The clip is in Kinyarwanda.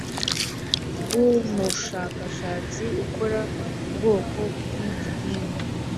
Bw umushakashatsi ukora ubwoko bw igihingwa